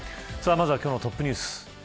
まずは、今日のトップニュース。